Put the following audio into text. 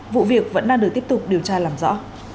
vụ việc vẫn đang được tiếp tục điều tra làm rõ